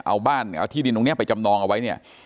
เอาบ้านเอาที่ดินตรงนี้ไปจำนองเอาไว้เนี่ย